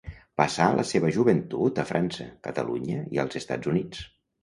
Passà la seva joventut a França, Catalunya i als Estats Units.